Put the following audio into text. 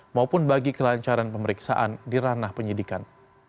maupun bagi kelancaran pemeriksaan di ranah penyidikan